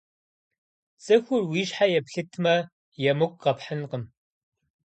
ЦӀыхур уи щхьэ еплъытмэ, емыкӀу къэпхьынкъым.